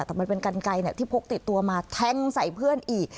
แต่มันเป็นกันไกลที่พกติดตัวมาแทงใส่เพื่อนอีก